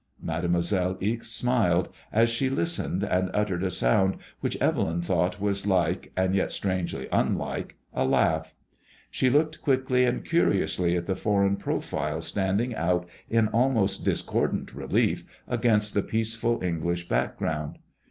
Mademoiselle Ixe smiled, as she listened and utteied a sound which Evelyn thought was like, and yet strangely unlike a laugh. She looked quickly and curiously at the foreign profile standing out in almost discordant relief against the peaceful English back ground.